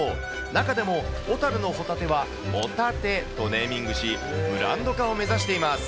中でも、小樽のホタテはおタテとネーミングし、ブランド化を目指しています。